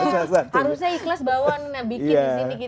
harusnya ikhlas bawa bikin di sini kita ya